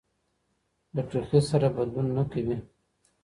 له ټوخي سره بدلون نه کوي.